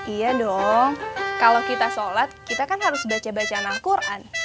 iya dong kalau kita sholat kita kan harus baca bacaan al quran